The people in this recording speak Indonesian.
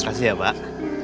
kasih ya pak